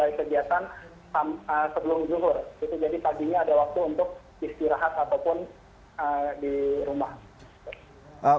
jadi paginya ada waktu untuk istirahat ataupun di rumah